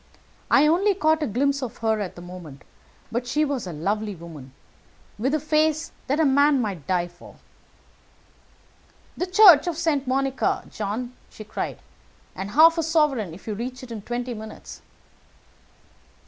I only caught a glimpse of her at the moment, but she was a lovely woman, with a face that a man might die for. "'The Church of St. Monica, John,' she cried; 'and half a sovereign if you reach it in twenty minutes.'